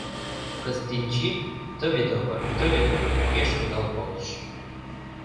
— Кыстинчи тыве-тово, тыве-тово мӧҥгеш кудал колтыш.